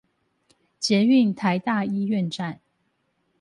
捷運臺大醫院站